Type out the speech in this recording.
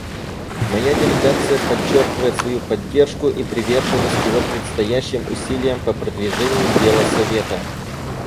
Моя делегация подчеркивает свою поддержку и приверженность его предстоящим усилиям по продвижению дела Совета.